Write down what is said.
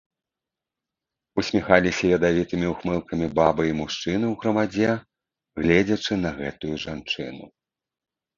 Усміхаліся ядавітымі ўхмылкамі бабы і мужчыны ў грамадзе, гледзячы на гэтую жанчыну.